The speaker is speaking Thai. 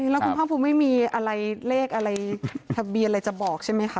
แล้วคุณภาคภูมิไม่มีอะไรเลขอะไรทะเบียนอะไรจะบอกใช่ไหมคะ